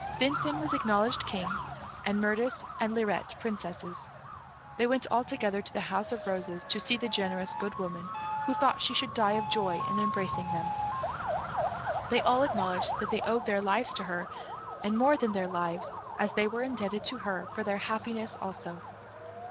Finfin was acknowledged King, and Mirtis and Lirette Princesses. They went all together to the House of Roses, to see the generous Good Woman, who thought she should die of joy in embracing them. They all acknowledged that they owed their lives to her, and more than their lives, as they were indebted to her for their happiness also.